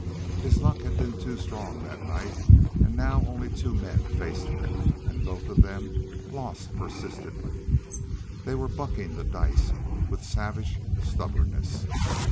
His luck had been too strong that night, and now only two men faced him, and both of them lost persistently. They were "bucking" the dice with savage stubbornness.